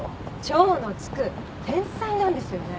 超のつく天才なんですよね。